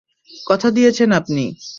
কথা দিয়েছেন আপনি।